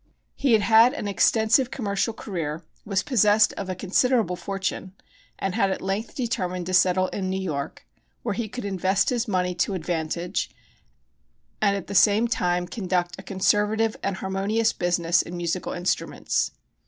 He had had an extensive commercial career, was possessed of a considerable fortune, and had at length determined to settle in New York, where he could invest his money to advantage and at the same time conduct a conservative and harmonious business in musical instruments.